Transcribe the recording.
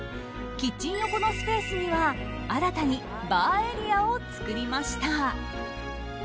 キッチン横のスペースには新たにバーエリアを作りました。